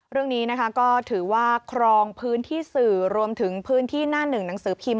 เรื่องนี้นะคะก็ถือว่าครองพื้นที่สื่อรวมถึงพื้นที่หน้าหนึ่งหนังสือพิมพ